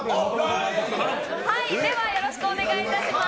ではよろしくお願いいたします。